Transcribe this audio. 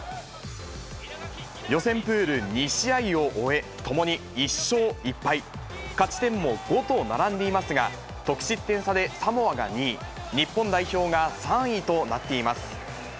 予選プール２試合を終え、ともに１勝１敗、勝ち点も５と並んでいますが、得失点差でサモアが２位、日本代表が３位となっています。